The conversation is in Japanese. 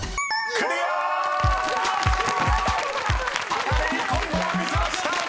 ［畑芽育今度は見せました！］